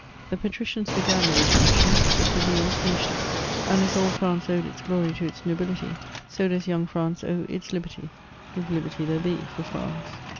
The patricians began the Revolution, the plebeians finished it ; and as old France owed its glory to its nobility, so does young France owe its liberty — if liberty there be for France.